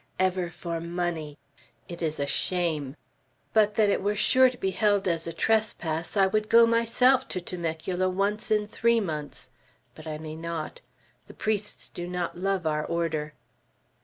"Ever for money! It is a shame. But that it were sure to be held as a trespass, I would go myself to Temecula once in three months; but I may not. The priests do not love our order."